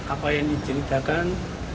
apa yang diceritakan